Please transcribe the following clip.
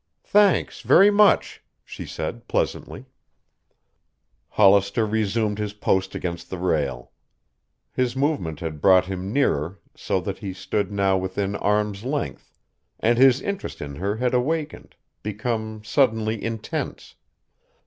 "Thanks, very much," she said pleasantly. Hollister resumed his post against the rail. His movement had brought him nearer, so that he stood now within arm's length, and his interest in her had awakened, become suddenly intense.